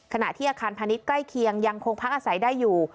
ขณะที่อาคารพาณิชย์ใกล้เคียงยังคงพักอาศัยได้อยู่